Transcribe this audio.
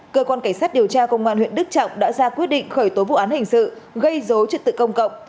cơ quan cảnh sát điều tra công an huyện đức trọng đã ra quyết định khởi tố vụ án hình sự gây dối trật tự công cộng